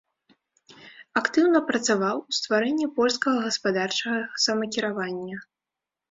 Актыўна працаваў у стварэнні польскага гаспадарчага самакіравання.